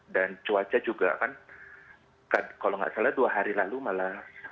dan cuaca juga kan kalau nggak salah dua hari lalu malah